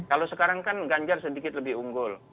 kalau sekarang kan ganjar sedikit lebih unggul